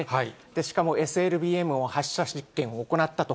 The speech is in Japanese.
しかもＳＬＢＭの発射実験を行ったと。